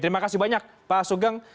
terima kasih banyak pak sugeng